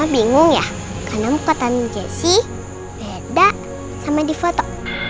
bingung ya karena mukatan jesse beda sama di foto